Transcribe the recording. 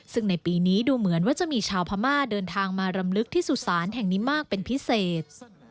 ซึ่งในปีนี้ดูเหมือนว่าจะมีชาวพม่าเดินทางมารำลึกที่สุสานแห่งนี้มากเป็นพิเศษ